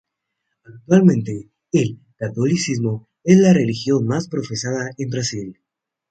Actualmente, el catolicismo es la religión más profesada en Brasil.